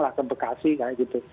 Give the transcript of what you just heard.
lah ke bekasi kayak gitu